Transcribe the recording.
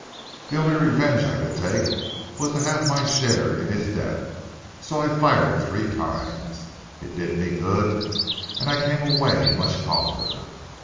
The only revenge I could take was to have my share in his death, so I fired three times. It did me good, and I came away much calmer.